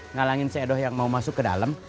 ngalangin si edo yang mau masuk ke dalam